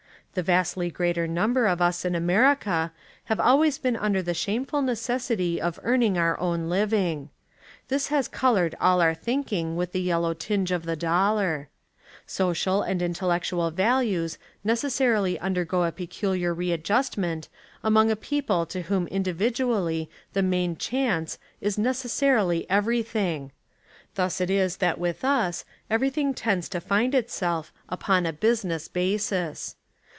The vastly greater number of us In America have always been under the shameful necessity of earning our own living. This has coloured all our thinking with the yellow tinge of the dollar. Social and intellectual values necessarily undergo a pecul iar readjustment among a people to whom Indi 91 Essays and Literary Studies vidually the "main chance" is necessarily every thing. Thus it is that with us everything tends to find itself "upon a business basis."